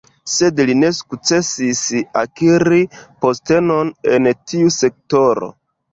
Sed li ne sukcesis akiri postenon en tiu sektoro.